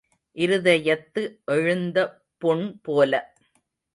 இருதயத்து எழுந்த புண் போல.